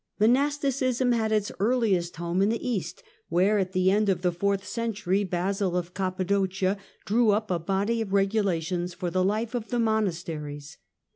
Monasticism had its earliest home in the east, where, it the end of the fourth century, Basil of Cappadocia Irew up a body of regulations for the life of the monas eries.